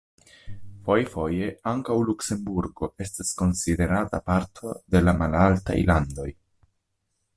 Fojfoje ankaŭ Luksemburgo estas konsiderata parto de la Malaltaj Landoj.